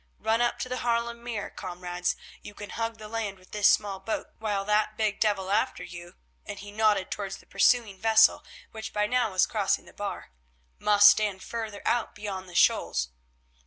Run up to the Haarlem Mere, comrades. You can hug the land with this small boat, while that big devil after you," and he nodded towards the pursuing vessel, which by now was crossing the bar, "must stand further out beyond the shoals.